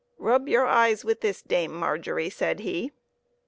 " Rub your eyes with this, Dame Margery," said he.